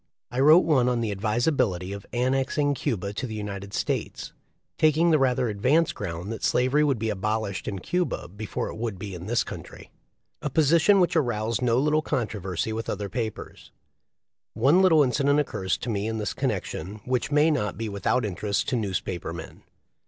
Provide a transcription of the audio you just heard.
I wrote one on the advisability of annexing Cuba to the United States, taking the rather advanced ground that slavery would be abolished in Cuba before it would in this country — a position which aroused no little controversy with other papers. One little incident occurs to me in this connection which may not be without interest to newspaper men.